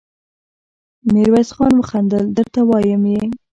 ميرويس خان وخندل: درته وايم يې!